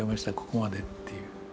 ここまでっていう。